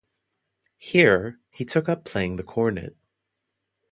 Here, he took up playing the cornet.